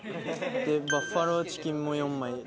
バッファローチキンも４枚で。